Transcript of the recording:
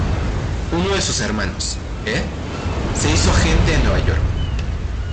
Uno de sus hermanos, Ed, se hizo agente en Nueva York.